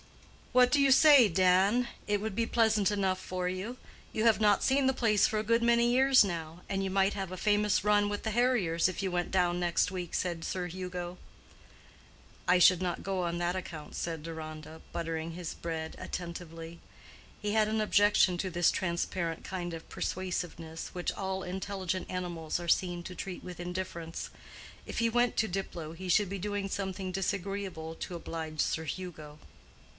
"What do you say, Dan? It would be pleasant enough for you. You have not seen the place for a good many years now, and you might have a famous run with the harriers if you went down next week," said Sir Hugo. "I should not go on that account," said Deronda, buttering his bread attentively. He had an objection to this transparent kind of persuasiveness, which all intelligent animals are seen to treat with indifference. If he went to Diplow he should be doing something disagreeable to oblige Sir Hugo.